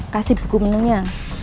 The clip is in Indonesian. kasih buku menu nya